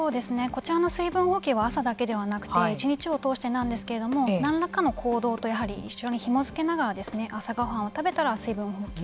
こちらの水分補給は朝だけではなくて１日を通してなんですけれども何らかの行動とやはり一緒にひもづけながら朝ごはんを食べたら水分補給。